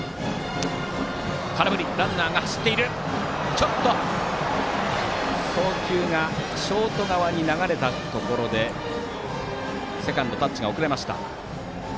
ちょっと送球がショート側に流れたところでセカンド、タッチが遅れました。